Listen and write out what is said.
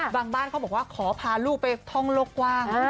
บ้านเขาบอกว่าขอพาลูกไปท่องโลกกว้าง